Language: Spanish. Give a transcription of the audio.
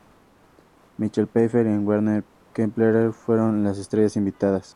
Michelle Pfeiffer y Werner Klemperer fueron las estrellas invitadas.